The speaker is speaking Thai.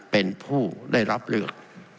เป็นผู้ได้รับเลือก